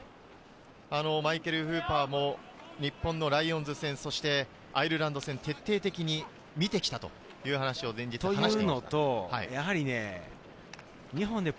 マイケル・フーパーも日本のライオンズ戦、そしてアイルランド戦、徹底的に見てきたという話を話していました。